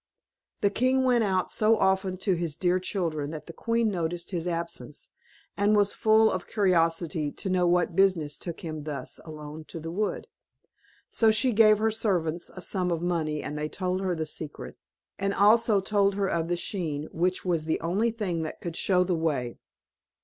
The king went out so often to his dear children, that the queen noticed his absence, and was full of curiosity to know what business took him thus alone to the wood. So she gave his servants a sum of money, and they told her the secret, and also told her of the skein, which was the only thing that could show the way.